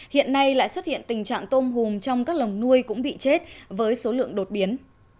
hiện nay lại xuất hiện tình trạng tôm hùm trong các lồng nuôi cũng bị chết với số lượng đột biến